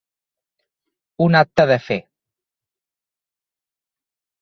Un acte de fe.